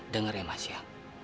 dengar ya mas ya